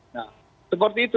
nah seperti itu